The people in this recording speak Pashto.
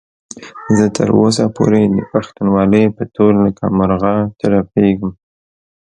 زه تر اوسه پورې د پښتونولۍ په تور لکه مرغه ترپېږم.